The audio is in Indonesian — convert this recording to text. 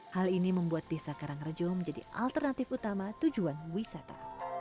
hal ini membuat desa karangrejo menjadi alternatif utama tujuan wisata